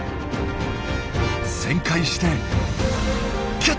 旋回してキャッチ！